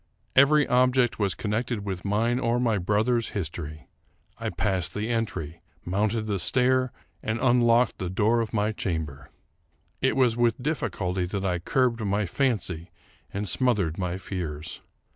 Every object was connected with mine or my brother's history. I passed the entry, mounted the stair, and unlocked the door of my chamber. It was with difBculty that I curbed my fancy and smothered my fears.